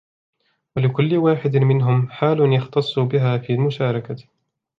وَلِكُلِّ وَاحِدٍ مِنْهُمْ حَالٌ يَخْتَصُّ بِهَا فِي الْمُشَارَكَةِ